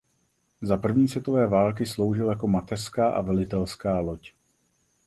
Za první světové války sloužil jako mateřská a velitelská loď.